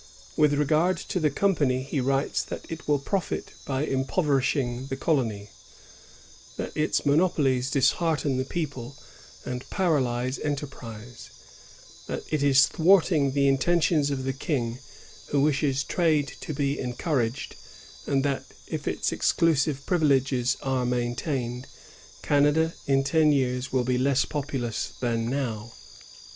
With regard to the company, he writes that it will profit by impoverishing the colony; that its monopolies dishearten the people and paralyze enter prise; that it is thwarting the intentions of the King, who wishes trade to be encouraged; and that if its exclusive privileges are maintained, Canada in t6n years will be less populous than now.